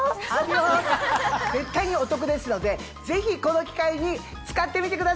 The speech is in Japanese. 絶対にお得ですのでぜひこの機会に使ってみてください。